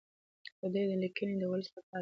د ده لیکنې د ولس لپاره دي.